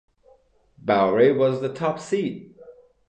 Bowrey was the top seed.